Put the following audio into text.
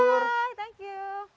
ya cuci tangan